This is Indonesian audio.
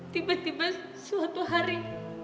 tiba tiba suatu hari